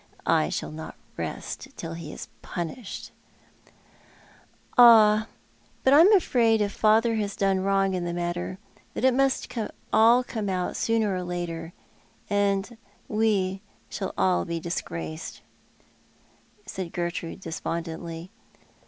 I shall not rest till he is punished." "Ah, but I'm afraid if father has done wrong in the matter it must all come out sooner or later, and we shall be disgracedj" said Gertrude, despondently.